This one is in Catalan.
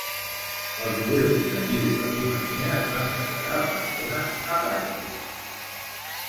Els jueus nadius de Romania es van declarar persones apàtrides.